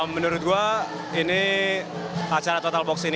menurut gue ini acara total boxing